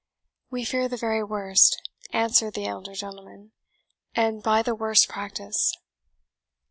"We fear the very worst," answered the elder gentleman, "and by the worst practice."